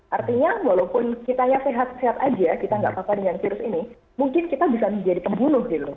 artinya walaupun kita ya sehat sehat aja kita nggak apa apa dengan virus ini mungkin kita bisa menjadi pembunuh gitu